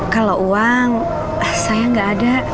kalau uang saya nggak ada